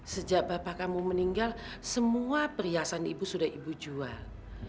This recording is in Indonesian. sejak bapak kamu meninggal semua perhiasan ibu sudah ibu jual